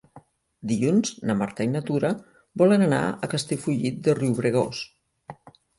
Dilluns na Marta i na Tura volen anar a Castellfollit de Riubregós.